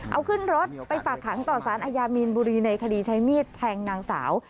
เอาขึ้นรถไปฝากขังต่อสารอาญามีนบุรีในคดีใช้มีดแทงนางสาว